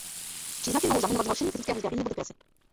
Příznaky mohou zahrnovat zhoršení fyzického zdraví nebo depresi.